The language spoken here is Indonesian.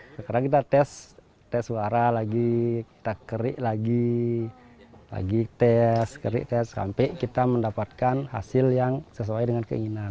sekarang kita tes tes suara lagi kita kerik lagi tes kerik tes sampai kita mendapatkan hasil yang sesuai dengan keinginan